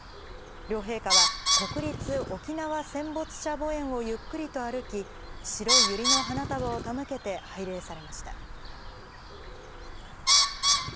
両陛下は、国立沖縄戦没者墓苑をゆっくりと歩き、白いユリの花束を手向けて拝礼されました。